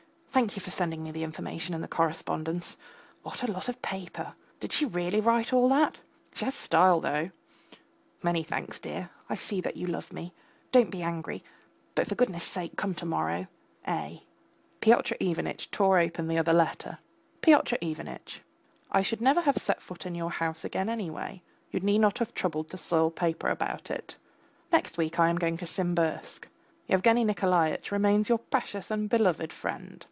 Thank you for sending me the information and the correspondence. What a lot of paper. Did she really write all that? She has style though; many thanks, dear; I see that you love me. Don't be angry, but, for goodness sake, come to morrow. A. Pyotr Ivanitch tore open the other letter: PYOTR IVANITCH, I should never have set foot again in your house anyway; you need not have troubled to soil paper about it. Next week I am going to Simbirsk. Yevgany Nikolaitch remains your precious and beloved friend.